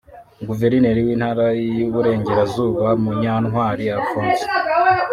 Guverineri w’Intara y’Uburengerazuba Munyantwari Alphonse